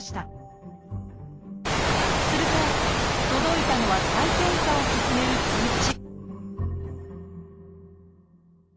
すると届いたのは再検査を勧める通知